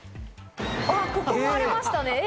ここ割れましたね。